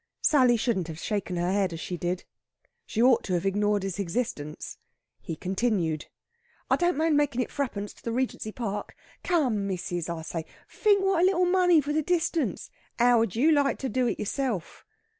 Sally shouldn't have shaken her head as she did. She ought to have ignored his existence. He continued: "I don't mind makin' it thruppence to the Regency Park. Come, missis, I say! Think what a little money for the distance. How would you like to do it yourself?"